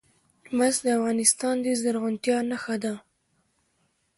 مس د افغانستان د زرغونتیا نښه ده.